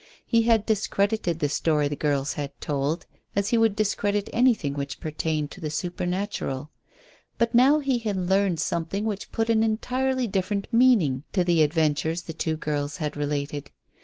He had discredited the story the girls had told as he would discredit anything which pertained to the supernatural. But now he had learned something which put an entirely different meaning to the adventures the two girls had related.